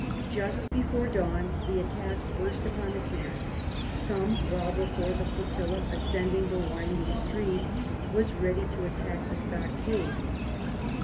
Just before dawn the attack burst upon the camp, some while before the flotilla ascending the winding stream was ready to attack the stockade.